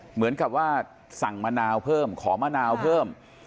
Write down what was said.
เหมือนกับว่าสั่งมะนาวเพิ่มขอมะนาวเพิ่ม